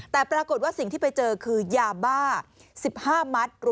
แต่ปรากฏว่าสิ่งที่ไปเจอคือยาบ้า๑๕มัตต์